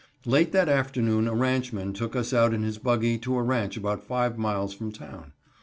Late that afternoon a ranchman took us out in his buggy to a ranch about five miles from town.